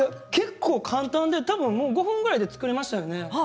結構簡単で多分５分ぐらいで作れましたよね。